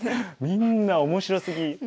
みんな面白すぎ。